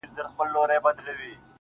• خپـله گرانـه مړه مي په وجود كي ده.